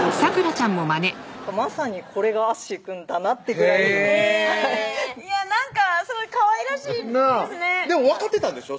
まさにこれがアッシーくんだなってぐらいなんかかわいらしいですねでも分かってたんでしょ？